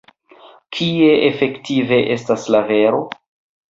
Kie efektive estas la vero?